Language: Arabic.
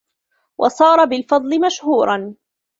وَصَارَ بِالْفَضْلِ مَشْهُورًا